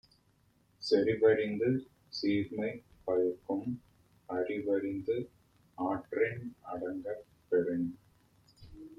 செறிவறிந்து சீர்மை பயக்கும் அறிவறிந்து ஆற்றின் அடங்கப் பெறின்